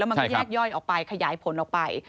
มันก็แยกย่อยออกไปขยายผลออกไป